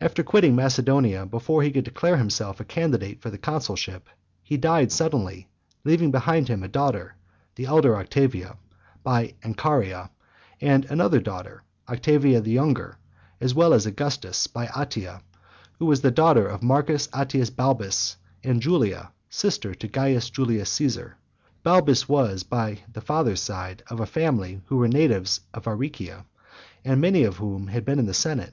IV. After quitting Macedonia, before he could declare himself a candidate for the consulship, he died suddenly, leaving behind him a daughter, the elder Octavia, by Ancharia; and another daughter, Octavia the younger, as well as Augustus, by Atia, who was the daughter of Marcus Atius Balbus, and Julia, sister to Caius Julius Caesar. Balbus was, by the father's (73) side, of a family who were natives of Aricia , and many of whom had been in the senate.